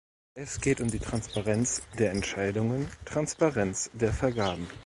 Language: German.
Es geht um die Transparenz der Entscheidungen, Transparenz der Vergaben.